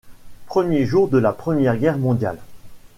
Premier jour de la Première Guerre mondiale.